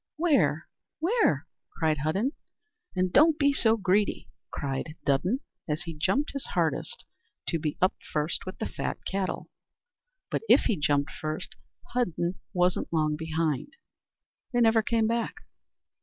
"Where? where?" cried Hudden, and "Don't be greedy!" cried Dudden, as he jumped his hardest to be up first with the fat cattle. But if he jumped first, Hudden wasn't long behind. They never came back.